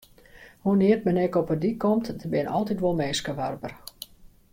Hoenear't men ek op 'e dyk komt, der binne altyd wol minsken warber.